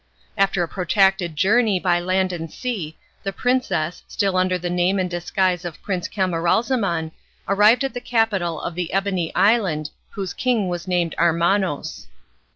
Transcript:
After a protracted journey by land and sea the princess, still under the name and disguise of Prince Camaralzaman, arrived at the capital of the Ebony Island whose king was named Armanos.